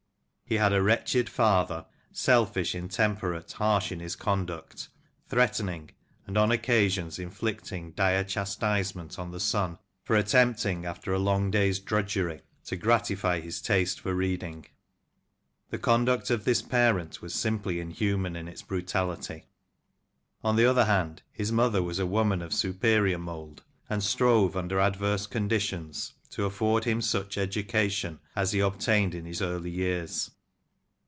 He had a wretched father — selfish, intemperate, harsh in his conduct ; threatening, and, on occasions, inflict ing dire chastisement on the son for attempting, after a long day's drudgery, to gratify his taste for reading. The conduct of this parent was simply inhuman in its brutality. On the other hand, his mother was a woman of superior mould, and strove, under adverse conditions, to afford him such education as he obtained in his early years.